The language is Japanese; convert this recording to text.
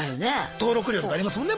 登録料とかありますもんね